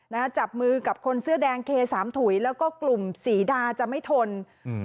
จับมือกับคนเสื้อแดงเคสามถุยแล้วก็กลุ่มสีดาจะไม่ทนอืม